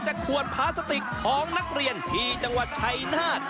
ขวดพลาสติกของนักเรียนที่จังหวัดชัยนาธ